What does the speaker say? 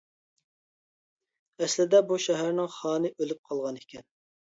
ئەسلىدە بۇ شەھەرنىڭ خانى ئۆلۈپ قالغانىكەن.